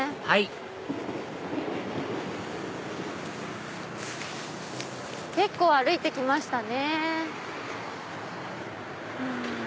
はい結構歩いて来ましたね。